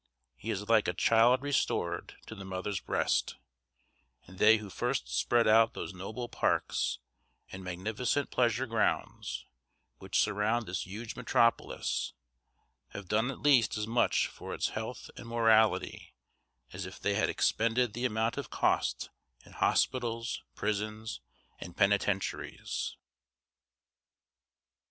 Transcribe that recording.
He is like a child restored to the mother's breast; and they who first spread out these noble parks and magnificent pleasure grounds which surround this huge metropolis have done at least as much for its health and morality as if they had expended the amount of cost in hospitals, prisons, and penitentiaries.